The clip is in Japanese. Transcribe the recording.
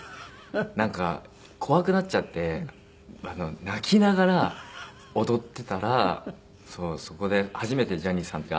なんか怖くなっちゃって泣きながら踊ってたらそこで初めてジャニーさんが。